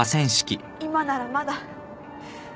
今ならまだ